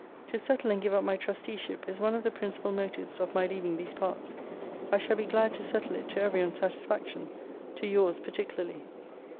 To settle and give up my trusteeship is one of the principal motives of my leaving these parts. I shall be glad to settle it to every one's satisfaction; to yours particularly.